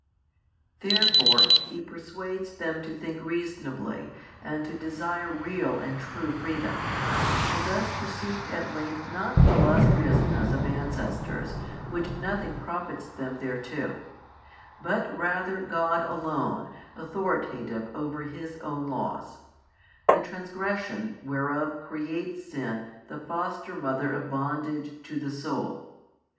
Therefore He persuades them to think reasonably and to desire real and true freedom, and thus to seek at length not the illustriousness of ancestors which nothing profits them thereto, but rather God Alone authoritative over His own Laws, the transgression whereof creates sin the foster mother of bondage to the soul.